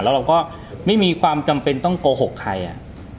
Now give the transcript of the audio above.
แล้วเราก็ไม่มีความจำเป็นต้องโกหกใครอ่ะ